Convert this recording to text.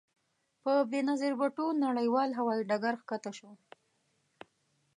په بې نظیر بوټو نړیوال هوايي ډګر کښته شوو.